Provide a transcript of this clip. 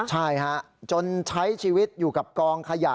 ใช่ฮะจนใช้ชีวิตอยู่กับกองขยะ